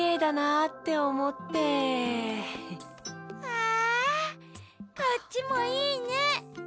わこっちもいいね。